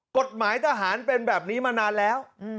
กฎหมายทหารเป็นแบบนี้มานานแล้ว